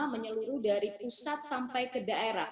menyeluruh dari pusat sampai ke daerah